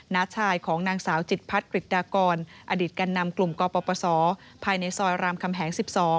น้าชายของนางสาวจิตพัฒน์กริจดากรอดีตแก่นำกลุ่มกปศภายในซอยรามคำแหง๑๒